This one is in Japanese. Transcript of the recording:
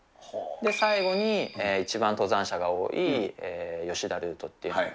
最後に一番登山者が多い吉田ルートっていうのが。